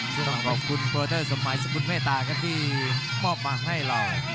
ต้องขอบคุณโปรเตอร์สมัยสกุลเมตตาครับที่มอบมาให้เรา